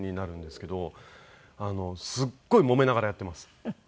すっごいもめながらやっています。